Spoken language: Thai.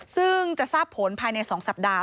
ซึ่งจะทราบผลภายใน๒สัปดาห